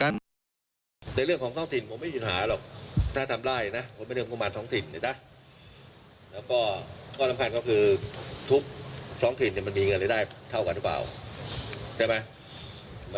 ในเรื่องของท่องถิ่นผมไม่อยุ่นหารกเหรอ